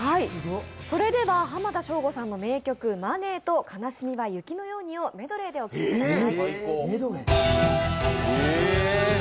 それでは浜田省吾さんの名曲「ＭＯＮＥＹ」と「悲しみは雪のように」をメドレーでお聴きください。